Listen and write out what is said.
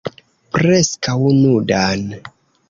Preskaŭ nudan.